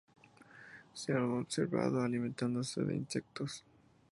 Se han observado alimentándose de insectos.